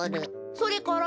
それから？